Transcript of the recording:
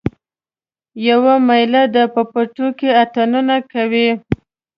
یوه میله ده په پټو کې اتڼونه کوي